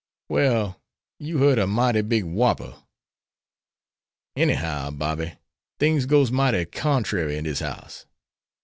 "Well, you heard a mighty big whopper." "Anyhow, Bobby, things goes mighty contrary in dis house.